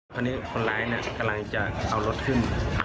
ตอนนี้คนร้ายกำลังจะเอารถขึ้น